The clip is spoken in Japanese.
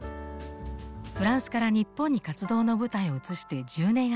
フランスから日本に活動の舞台を移して１０年余り。